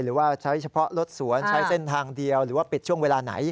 หรือว่าใช้เฉพาะรถสวนใช้เส้นทางเดียวหรือว่าปิดช่วงเวลาไหน